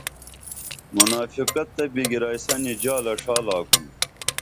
منافقت تہ بگرائیسنی جالہ ݜا لاکُم